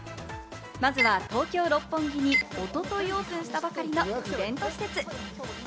まずは東京・六本木に一昨日オープンしたばかりのイベント施設。